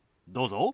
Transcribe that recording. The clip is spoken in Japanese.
どうぞ。